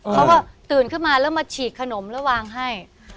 เขาก็ตื่นขึ้นมาแล้วมาฉีกขนมแล้ววางให้